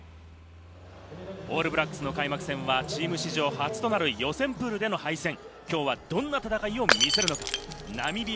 オールブラックスの開幕戦はチーム史上初となる予選プー「アサヒスーパードライ」